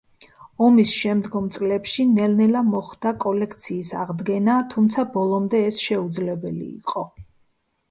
ომის შემდგომ წლებში ნელ-ნელა მოხდა კოლექციის აღდგენა, თუმცა ბოლომდე ეს შეუძლებელი იყო.